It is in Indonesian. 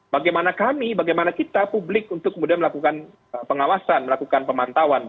bagaimana kami bagaimana kita publik untuk kemudian melakukan pengawasan melakukan pemantauan